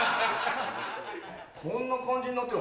・こんな感じになってる